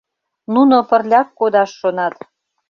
— Нуно пырляк кодаш шонат.